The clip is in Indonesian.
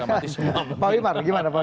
pak wipar gimana pak wipar